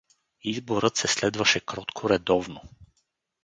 Изборът се следваше кротко, редовно.